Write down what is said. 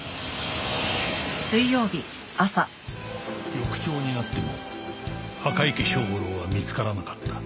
翌朝になっても赤池庄五郎は見つからなかった